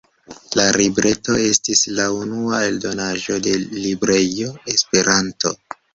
La libreto estis la unua eldonaĵo de librejo “Esperanto”.